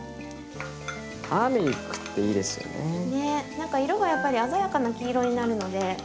何か色がやっぱり鮮やかな黄色になるので。